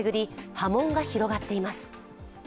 波紋が広がっています。